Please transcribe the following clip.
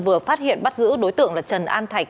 vừa phát hiện bắt giữ đối tượng là trần an thạch